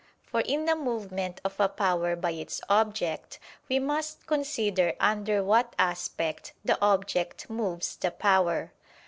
For in the movement of a power by its object, we must consider under what aspect the object moves the power.